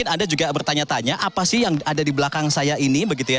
anda juga bertanya tanya apa sih yang ada di belakang saya ini begitu ya